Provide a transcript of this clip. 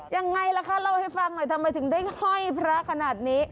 ยังไงล่ะคะเล่าให้ฟังหน่อยทำไมถึงได้ห้อยพระขนาดนี้